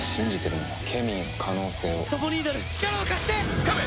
つかめ！